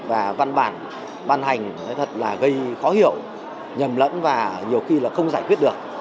và văn bản ban hành nói thật là gây khó hiểu nhầm lẫn và nhiều khi là không giải quyết được